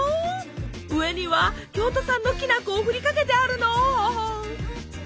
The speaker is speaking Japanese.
上には京都産のきな粉をふりかけてあるの。